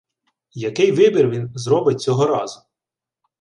Який вибір він зробить цього разу?